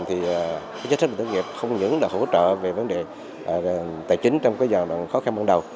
thì chất sách bảo hiểm thất nghiệp không những là hỗ trợ về vấn đề tài chính trong cái dòng khó khăn bắt đầu